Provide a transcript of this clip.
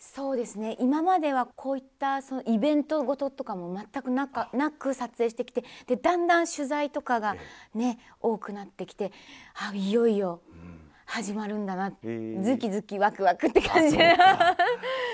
今までは、こういったイベント事とかも全くなく撮影してきて、だんだん取材とかが多くなってきて、いよいよ始まるんだな、ずきずきわくわくって感じです。